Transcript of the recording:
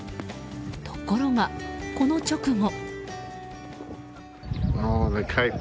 ところが、この直後。